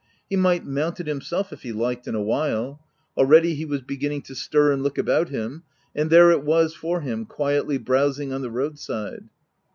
He might mount it himself, if he liked — in a while : already he was beginning to stir and look about him — and there it was for him, quietly browsing on the road side.